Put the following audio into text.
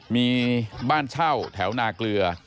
มีบ้านเช่าแถวนาเกลือ